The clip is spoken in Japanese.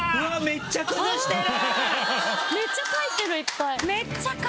めっちゃ崩してる！